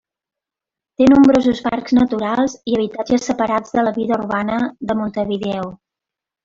Té nombrosos parcs naturals i habitatges separats de la vida urbana de Montevideo.